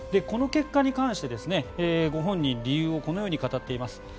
この結果に関してご本人、理由をこのように語っています。